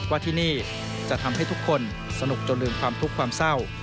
ว่าที่นี่จะทำให้ทุกคนสนุกจนลืมความทุกข์ความเศร้า